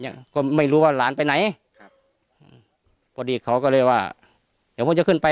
เนี้ยก็ไม่รู้ว่าหลานไปไหนครับพอดีเขาก็เลยว่าเดี๋ยวผมจะขึ้นไป